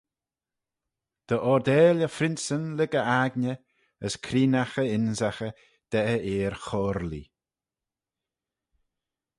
Dy oardail e phrinceyn lurg e aigney: as creenaght y ynsaghey da e ir-choyrlee.